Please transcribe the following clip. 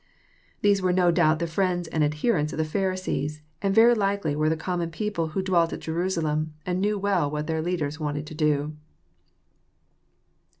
— These were no doubt the fWends and adherents of the Pharisees, and very likely were the common people who dwelt at Jerusalem, and knew well what their leaders wanted to do.